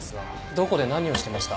どこで何をしてました？